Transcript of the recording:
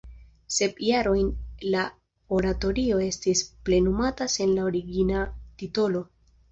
Sep jarojn la oratorio estis plenumata sen la origina titolo.